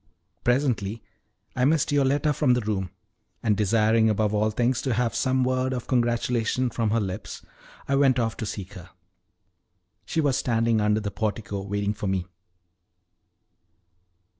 Presently I missed Yoletta from the room, and desiring above all things to have some word of congratulation from her lips, I went off to seek her. She was standing under the portico waiting for me.